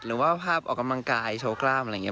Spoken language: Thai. หรือว่าภาพออกกำลังกายโชว์กล้ามอะไรอย่างนี้